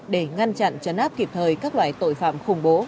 để ngăn chặn chấn áp kịp thời các loại tội phạm khủng bố